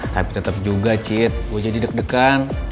tapi tetep juga cid gue jadi deg degan